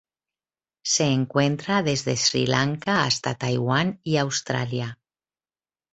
Se encuentra desde Sri Lanka hasta Taiwán y Australia.